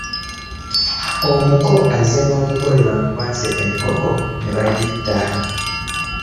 Omuko azze n’omugole bamukwasa enkoko ne bagitta.